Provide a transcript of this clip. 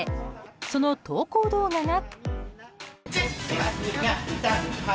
その投稿動画が。